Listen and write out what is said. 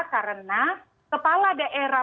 karena kepala daerah